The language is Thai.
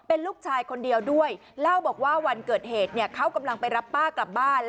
เป็นลูกชายคนเดียวด้วยเล่าบอกว่าวันเกิดเหตุเนี่ยเขากำลังไปรับป้ากลับบ้าน